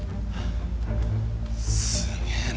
すげえな。